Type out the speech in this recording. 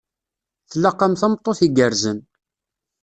Tlaq-am tameṭṭut igerrzen.